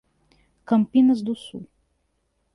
Campinas do Sul